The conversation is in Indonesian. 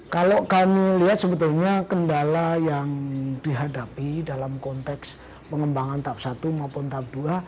kalau kami lihat sebetulnya kendala yang dihadapi dalam konteks pengembangan tahap satu maupun tap dua